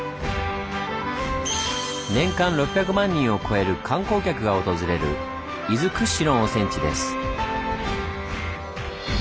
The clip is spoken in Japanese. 年間６００万人を超える観光客が訪れる伊豆屈指の温泉地です。